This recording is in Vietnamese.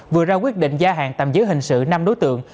vừa ra quyết định gia hạn tạm giữ hình sự năm đối tượng